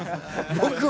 僕は？